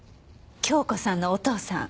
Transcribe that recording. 京子さんのお父さん。